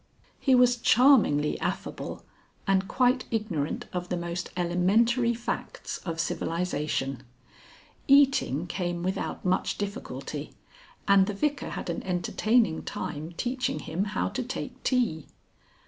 He was charmingly affable and quite ignorant of the most elementary facts of civilization. Eating came without much difficulty, and the Vicar had an entertaining time teaching him how to take tea.